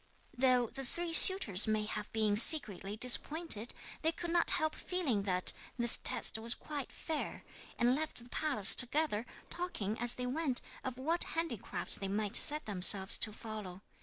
'Though the three suitors may have been secretly disappointed, they could not help feeling that this test was quite fair, and left the palace together, talking as they went of what handicrafts they might set themselves to follow.